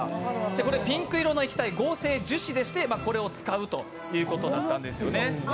これ、ピンク色の液体、合成樹脂でしてこれを使うということだったんです。